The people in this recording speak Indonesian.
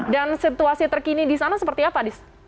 dan situasi terkini di sana seperti apa